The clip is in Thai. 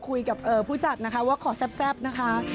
คุยกับผู้จัดนะคะว่าขอแซ่บนะคะ